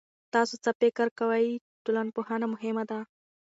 تاسو څه فکر کوئ، ټولنپوهنه مهمه ده؟